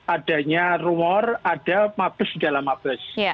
adanya rumor ada mabes di dalam mabes